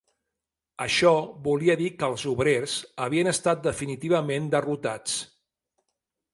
Això volia dir que els obrers havien estat definitivament derrotats